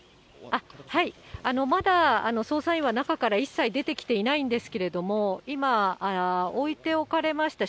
まだ、捜査員は中から一切出てきていないんですけれども、今、置いておかれました